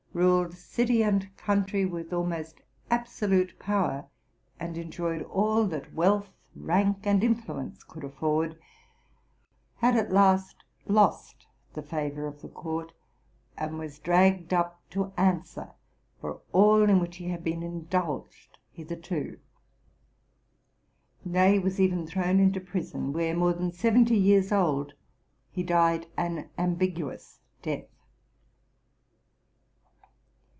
ruled city and country with almost absolute power, and enjoyed all that wealth, rank, and influence could afford, had at last lost the favor of the court, and was dragged up to answer for all in which he had been indulged hitherto, — nay, was even thrown into prison, where, more than seventy years old, he died an ambiguous death.